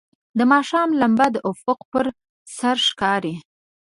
د ماښام لمبه د افق پر سر ښکاري.